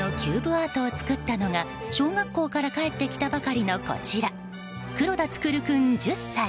アートを作ったのが小学校から帰ってきたばかりのこちら黒田創君、１０歳。